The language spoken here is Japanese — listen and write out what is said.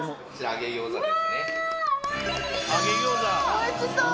おいしそう！